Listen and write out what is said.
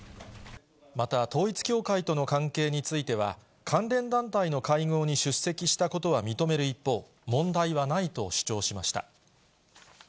また統一教会との関係については、関連団体の会合に出席したことは認める一方、問題はないと主張しました。